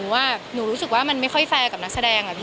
ว่าหนูรู้สึกว่ามันไม่ค่อยแฟร์กับนักแสดงอะพี่